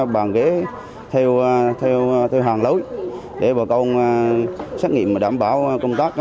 bàn ghế theo hàng lối để bà con xét nghiệm và đảm bảo công tác